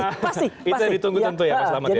itu yang ditunggu tentu ya pak selamat ya